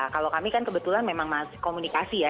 kalau kami kan kebetulan memang komunikasi ya